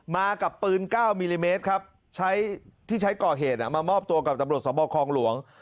มากับปืน๙มิลลิเมตรครับใช้ที่ใช้ก่อเหตุมามอบตัวกับตำรวจสมบครองหลวง